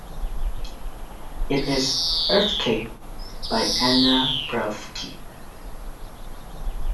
It is "Earthcake" by Ana Prvacki.